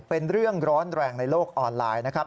เป็นเรื่องร้อนแรงในโลกออนไลน์นะครับ